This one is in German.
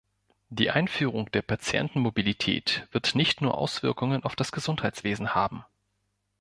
Die Einführung der Patientenmobilität wird nicht nur Auswirkungen auf das Gesundheitswesen haben.